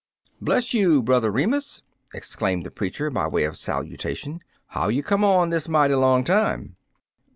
"Bless you, Brother Remus!" exclaimed the preacher by way of salutation. "How you come on this mighty long time?"